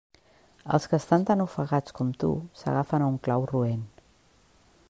Els que estan tan ofegats com tu s'agafen a un clau roent.